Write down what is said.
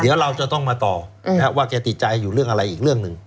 เดี๋ยวเราจะต้องมาต่อว่าแกติดใจอยู่เรื่องอะไรอีกเรื่องหนึ่ง